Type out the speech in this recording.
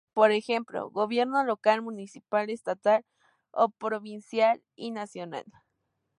Por ejemplo: gobierno local, municipal, estatal o provincial y nacional.